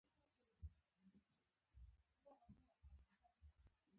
فوجیموري په ډیموکراټیک ډول انتخاب شو.